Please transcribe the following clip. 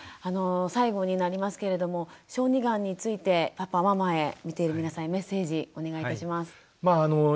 最後になりますけれども小児がんについてパパママへ見ている皆さんへメッセージお願いいたします。